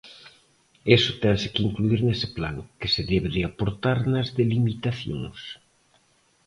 Iso tense que incluír nese plan, que se debe de aportar nas delimitacións.